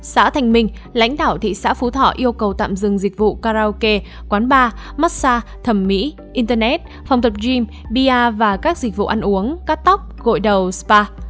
xã thanh minh lãnh đạo thị xã phú thọ yêu cầu tạm dừng dịch vụ karaoke quán bar massage thẩm mỹ internet phòng tập gym biar và các dịch vụ ăn uống cắt tóc gội đầu spa